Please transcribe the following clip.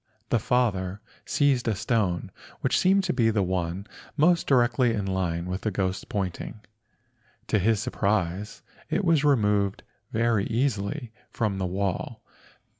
The father seized a stone which seemed to be the one most directly in the line of the ghost's pointing. To his surprise it was removed very easily from the wall.